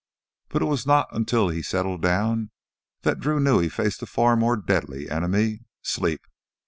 But it was not until he settled down that Drew knew he faced a far more deadly enemy sleep.